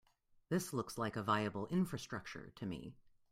This looks like a viable infrastructure to me.